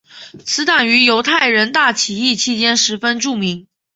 此党于犹太人大起义期间十分著名。